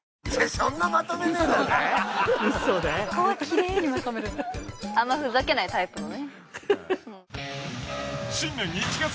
あんまふざけないタイプのね。